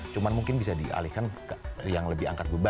cuman mungkin bisa dialihkan yang lebih angkat beban